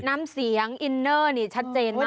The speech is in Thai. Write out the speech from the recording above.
น้ำเสียงอินเนอร์นี่ชัดเจนมาก